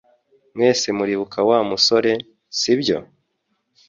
Mwese muribuka Wa musore, sibyo?